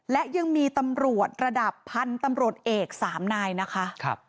และยังมีตำรวจระดับพันธุ์ตำรวจเอกสามนายนะคะ